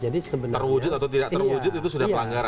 terwujud atau tidak terwujud itu sudah pelanggaran